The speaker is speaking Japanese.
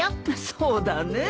そうだねえ。